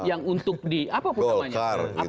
yang untuk di apapun namanya